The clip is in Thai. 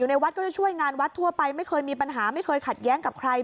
ในวัดก็จะช่วยงานวัดทั่วไปไม่เคยมีปัญหาไม่เคยขัดแย้งกับใคร